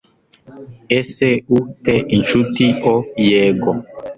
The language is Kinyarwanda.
Ese u te incuti O Yego